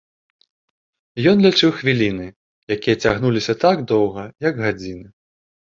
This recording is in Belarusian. Ён лічыў хвіліны, якія цягнуліся так доўга, як гадзіны.